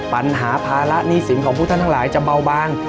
ปัญหาภาระหนี้สินของพวกท่านทั้งหลายจะเบาบาง